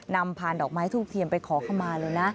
ผ่านดอกไม้ทูบเทียมไปขอเข้ามาเลยนะ